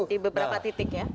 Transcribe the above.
di beberapa titik ya